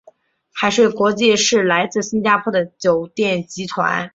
海悦国际是来自新加坡的酒店集团。